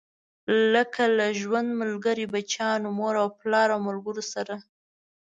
لکه له ژوند ملګري، بچيانو، مور او پلار او ملګرو سره.